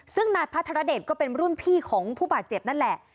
ซึ่งนายพระธรเดชก็เป็นรุ่นพี่ของผู้บาดเจ็บนั่นแหละ